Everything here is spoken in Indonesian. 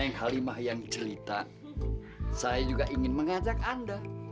neng halimah yang celita saya juga ingin mengajak anda